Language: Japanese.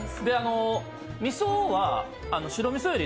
みそは白みそより